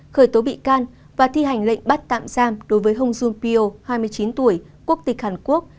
khởi tố bị can và thi hành lệnh bắt tạm giam đối với hồng jun pio hai mươi chín tuổi quốc tịch hàn quốc